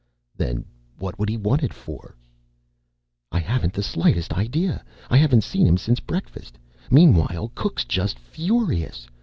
"Then what would he want it for?" "I haven't the slightest idea. I haven't seen him since breakfast. Meanwhile cook's just furious.